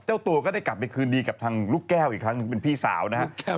เจ้าตัวก็ได้กลับไปคืนดีกับทางลูกแก้วอีกครั้งหนึ่งเป็นพี่สาวนะครับ